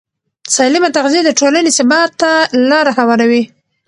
سالمه تغذیه د ټولنې ثبات ته لاره هواروي.